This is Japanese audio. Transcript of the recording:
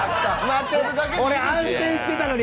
俺、安心してたのに。